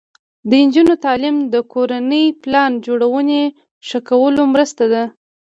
د نجونو تعلیم د کورنۍ پلان جوړونې ښه کولو مرسته ده.